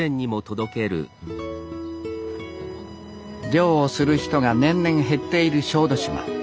漁をする人が年々減っている小豆島。